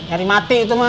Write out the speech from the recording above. ngeri mati itu mah